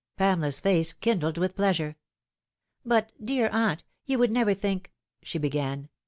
Pamela's face kindled with pleasure. " But, dear aunt, you would never think " she began.